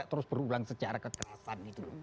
terus berulang secara kekerasan gitu loh